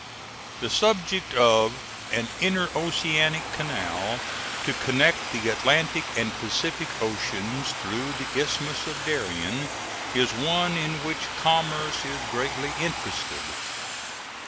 The subject of an interoceanic canal to connect the Atlantic and Pacific oceans through the Isthmus of Darien is one in which commerce is greatly interested.